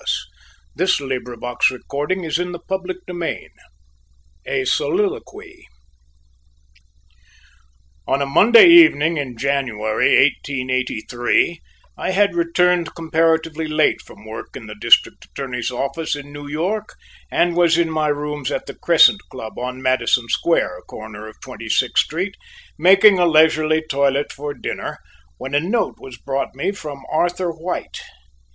THE TRUTH AT LAST XIV. THE DEATH OF WINTERS A MASTER HAND CHAPTER I A SOLILOQUY On a Monday evening in January, 1883, I had returned comparatively late from work in the District Attorney's office in New York, and was in my rooms at the Crescent Club on Madison Square, corner of Twenty sixth Street, making a leisurely toilet for dinner, when a note was brought me from Arthur White.